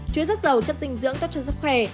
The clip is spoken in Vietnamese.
chứa rất giàu chất dinh dưỡng tốt cho sức khỏe